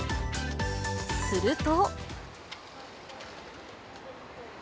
すると。